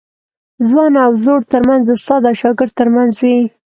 ځوان او زوړ ترمنځ د استاد او شاګرد ترمنځ وي.